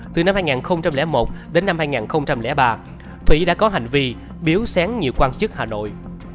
từ năm hai nghìn một đến năm hai nghìn ba thủy đã có hành vi biếu xén nhiều quan chức hà nội